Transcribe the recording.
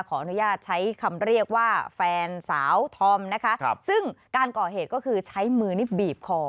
ขออนุญาตใช้คำเรียกว่าแฟนสาวธอมนะคะซึ่งการก่อเหตุก็คือใช้มือนี้บีบคอ